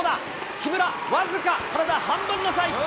木村、僅か体半分の差、１着。